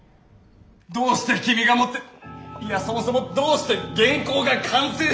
どうして君が持っていやそもそもどうして原稿が完成してるんだッ！